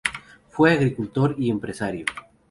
Fue agricultor y empresario.